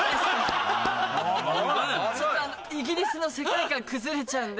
イギリスの世界観崩れちゃうんで。